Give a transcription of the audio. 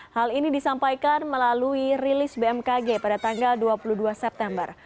hal ini disampaikan melalui rilis bmkg pada tanggal dua puluh dua september